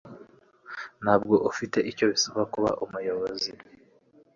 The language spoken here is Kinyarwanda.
Ntabwo ufite icyo bisaba kuba umuyobozi.